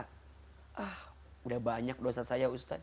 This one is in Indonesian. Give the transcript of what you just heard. sudah banyak dosa saya ustadz